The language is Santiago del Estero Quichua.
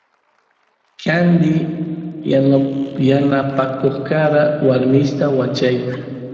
candi yanapakoq karawarmista wachay